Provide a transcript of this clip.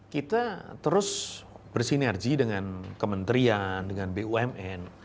kita terus bersinergi dengan kementerian dengan bumn